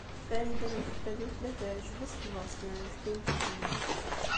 Farida n Ukeffadu tella teɛjeb-as tebɣest n Ɛezdin n Tezmalt.